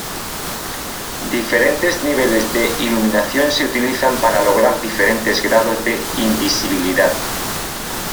Diferentes niveles de iluminación se utilizan para lograr diferentes grados de "invisibilidad".